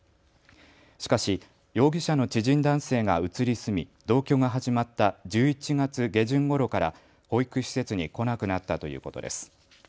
しかし容疑者の知人男性が移り住み同居が始まった１１月下旬ごろから保育施設に来なくなったということです。